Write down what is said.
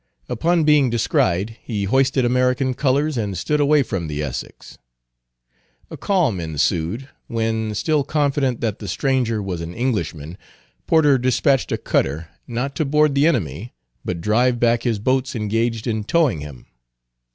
Upon being descried he hoisted American colors and stood away from the Essex. A calm ensued; when, still confident that the stranger was an Englishman, Porter dispatched a cutter, not to board the enemy, but drive back his boats engaged in towing him.